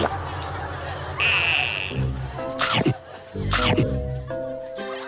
กินอย่างปลอดภัย